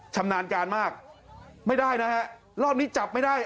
ชำนาญการมากไม่ได้นะฮะรอบนี้จับไม่ได้